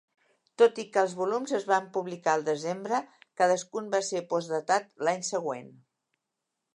Tot i que els volums es van publicar al desembre, cadascun va ser postdatat l'any següent.